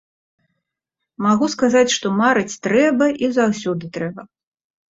Магу сказаць, што марыць трэба, і заўсёды трэба.